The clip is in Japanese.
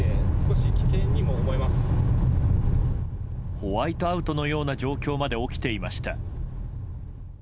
ホワイトアウトのような状況まで起きていました。